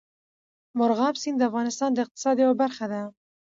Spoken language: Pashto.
مورغاب سیند د افغانستان د اقتصاد یوه برخه ده.